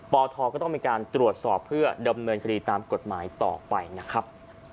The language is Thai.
ทก็ต้องมีการตรวจสอบเพื่อดำเนินคดีตามกฎหมายต่อไปนะครับ